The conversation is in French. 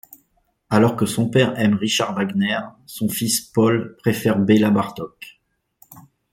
Alors que son père aime Richard Wagner, son fils Paul préfère Béla Bartók.